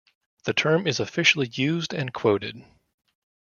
The term is officially used and quoted.